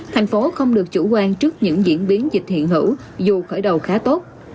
thành phố không được chủ quan trước những diễn biến dịch hiện hữu dù khởi đầu khá tốt